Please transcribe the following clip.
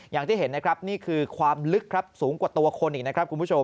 อย่างที่เห็นนะครับนี่คือความลึกสูงกว่าตัวคนอีกนะครับ